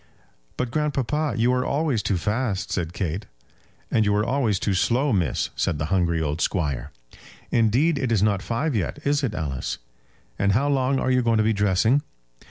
"But, grandpapa, you are always too fast," said Kate. "And you are always too slow, miss," said the hungry old squire. "Indeed, it is not five yet. Is it, Alice?" "And how long are you going to be dressing?"